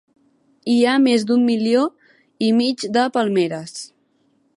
Hi ha més d'un milió i mig de palmeres.